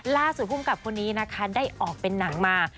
ภูมิกับคนนี้นะคะได้ออกเป็นหนังมา